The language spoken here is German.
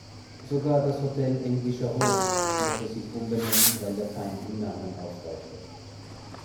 Sogar das Hotel „Englischer Hof“ musste sich umbenennen, weil der Feind im Namen auftauchte.